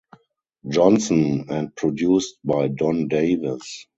Johnson and produced by Don Davis.